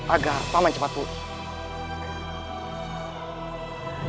agar pak man cepat pulih